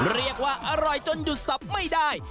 เรียกว่าอร่อยจนหยุดสับไม่ได้